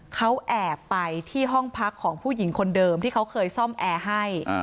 เขาแอบไปที่ห้องพักของผู้หญิงคนเดิมที่เขาเคยซ่อมแอร์ให้